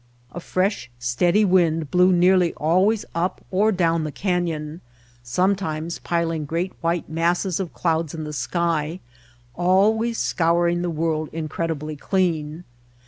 A fresh, steady wind blew nearly always up or down the canyon, sometimes piling great white masses of clouds in the sky, always scouring the world in credibly clean.